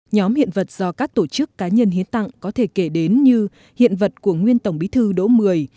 nhóm hiện vật do các tổ chức cá nhân hiến tặng có thể kể đến như hiện vật của nguyên tổng bí thư đỗ mười